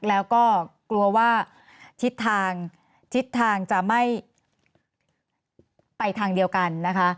แล้วก็กลัวว่าทิศทางทิศทางจะไม่ไปทางเดียวกันนะคะ